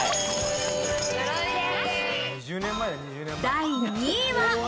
第２位は。